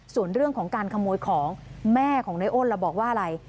ส่วนเรื่องของการขโมยของแม่ของในอ้นล่ะบอกว่าอะไร